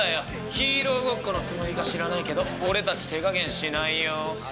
ヒーローごっこのつもりか知らないけど俺たち手加減しないよ」。